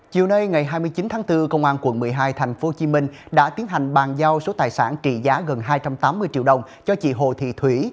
chiều nay ngày hai mươi chín tháng bốn công an quận một mươi hai tp hcm đã tiến hành bàn giao số tài sản trị giá gần hai trăm tám mươi triệu đồng cho chị hồ thị thủy